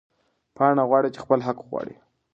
پاڼه غواړې چې خپل حق وغواړي.